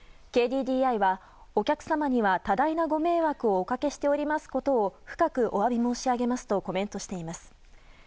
ＫＤＤＩはお客様には多大なご迷惑をおかけしておりますことを深くお詫び申し上げますとコメントしています。